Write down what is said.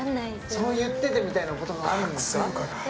そう言っててみたいなことがあるのかな？